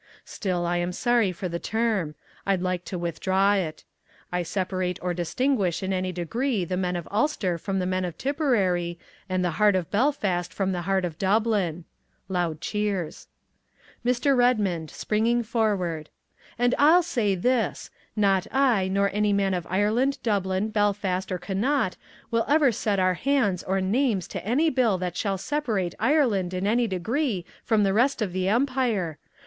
"Still I am sorry for the term. I'd like to withdraw it. I separate or distinguish in any degree the men of Ulster from the men of Tipperary, and the heart of Belfast from the heart of Dublin." (Loud cheers.) Mr. Redmond (springing forward). "And I'll say this: Not I, nor any man of Ireland, Dublin, Belfast, or Connaught will ever set our hands or names to any bill that shall separate Ireland in any degree from the rest of the Empire.